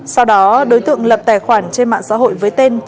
sau đó đối tượng lập tài khoản trên mạng xã hội với tên trương thị quỳnh anh